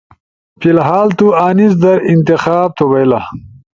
فی الھال تو انیس در انتخاب تھو بئیلا۔